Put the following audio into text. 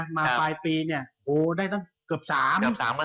มาปลายปีเนี่ยเหอได้เกือบ๓